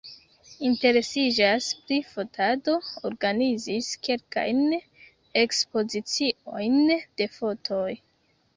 Interesiĝas pri fotado, organizis kelkajn ekspoziciojn de fotoj.